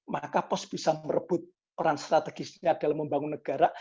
maka pos bisa merebut peran strategisnya dalam membangun negara